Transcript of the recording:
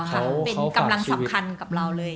เป็นกำลังสำคัญกับเราเลย